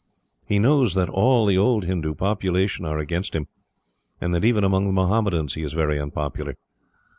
He knows that all the old Hindoo population are against him, and that even among the Mohammedans he is very unpopular.